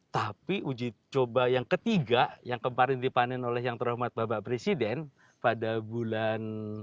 tapi uji coba yang ketiga yang kemarin dipanen oleh yang terhormat bapak presiden pada bulan